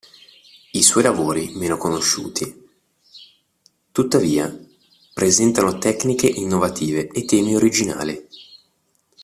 I suoi lavori meno conosciuti, tuttavia, presentano tecniche innovative e temi originali.